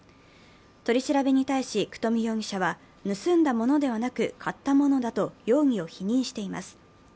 取り調べに対し九冨容疑者は盗んだものではなく買ったものだと容疑を否認しています。